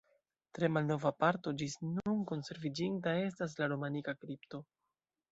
Tre malnova parto ĝis nun konserviĝinta estas la romanika kripto.